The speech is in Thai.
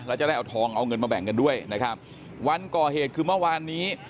แล้วจะได้เอาทองเอาเงินมาแบ่งกันด้วยนะครับวันก่อเหตุคือเมื่อวานนี้